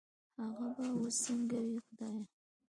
هغه به وس سنګه وي خدايه